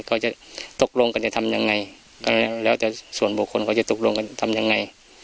เขาจะตกลงกันจะทำยังไงก็แล้วแต่ส่วนบุคคลเขาจะตกลงกันทำยังไง